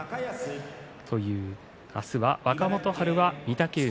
明日は若元春が御嶽海。